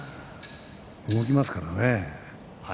動きますからね。